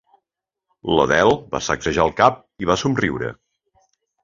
L'Adele va sacsejar el cap i va somriure.